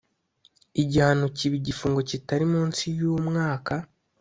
igihano kiba igifungo kitari munsi y’umwaka